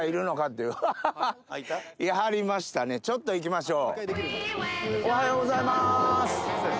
ちょっと行きましょう。